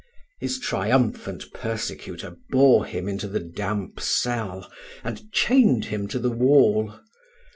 His triumphant persecutor bore him into the damp cell, and chained him to the wall.